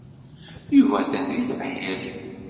Yuba atan deg tebḥirt.